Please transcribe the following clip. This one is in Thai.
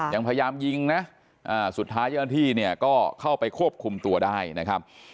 ยังพยายามยิงนะสุดท้ายเจ้าหน้าที่เนี่ยก็เข้าไปควบคุมตัวได้นะครับ